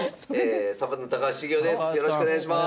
サバンナ高橋茂雄です。